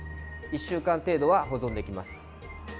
１週間程度は保存できます。